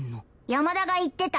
山田が言ってた。